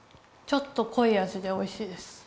ちょっとこい味でおいしいです。